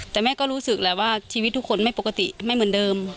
แต่แม่ก็รู้สึกแหละว่าชีวิตทุกคนไม่ปกติไม่เหมือนเดิม